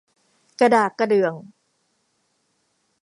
กระดากกระเดื่อง